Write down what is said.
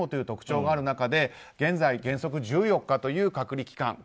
特徴がある中で、現在原則１４日という隔離期間